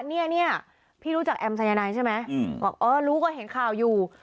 เนี่ยพี่รู้จักแอมสายนายใช่ไหมบอกอ๋อรู้ก็เห็นข่าวอยู่